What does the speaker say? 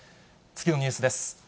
次のニュースです。